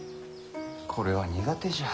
これは苦手じゃ。